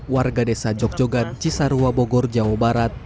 warga desa jogjogan cisarua bogor jawa barat